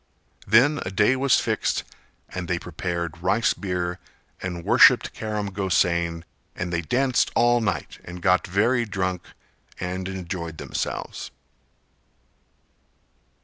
Then a day was fixed and they prepared rice beer, and worshipped Karam Gosain and they danced all night and got very drunk and enjoyed themselves.